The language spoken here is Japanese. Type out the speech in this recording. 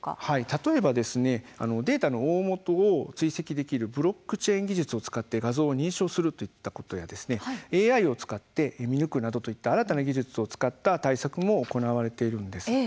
例えばデータの大本を追跡できるブロックチェーン技術を使って画像を認証するということやＡＩを使って見抜くなどという新たな技術を使った対策も行われているんです。